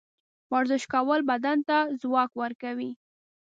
ورزش کول بدن ته ځواک ورکوي.